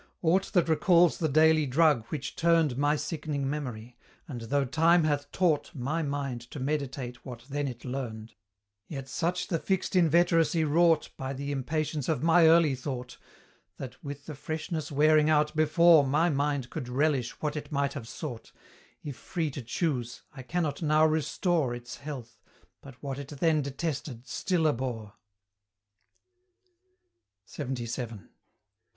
Aught that recalls the daily drug which turned My sickening memory; and, though Time hath taught My mind to meditate what then it learned, Yet such the fixed inveteracy wrought By the impatience of my early thought, That, with the freshness wearing out before My mind could relish what it might have sought, If free to choose, I cannot now restore Its health; but what it then detested, still abhor. LXXVII.